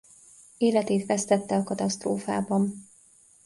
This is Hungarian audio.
Életét vesztette a katasztrófában.